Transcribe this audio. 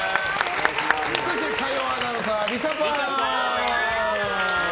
そして火曜アナウンサーはリサパン。